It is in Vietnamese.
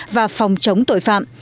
và phòng chống tội phạm